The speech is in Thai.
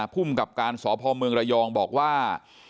ภูมิกับการสพเมืองระยองบอกว่า